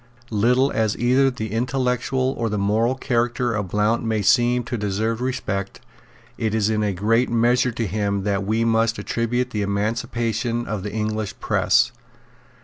Little as either the intellectual or the moral character of Blount may seem to deserve respect, it is in a great measure to him that we must attribute the emancipation of the English press.